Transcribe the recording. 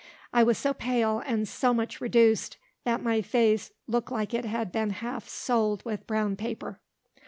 I was so pale, and so much reduced, that my face looked like it had been half soled with brown paper.